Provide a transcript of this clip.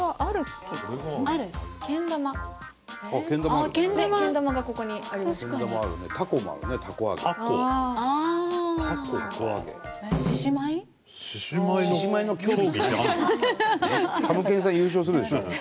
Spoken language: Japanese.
たむけんさん優勝するでしょうね。